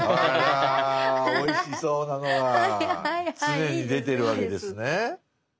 常に出てるわけですね。